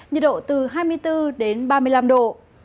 nhiệt độ từ hai mươi bốn đến ba mươi năm độ